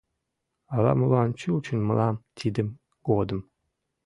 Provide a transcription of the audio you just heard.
Ала-молан чучын мылам тидын годым: